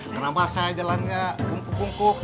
kenapa saya jalannya bungku bungku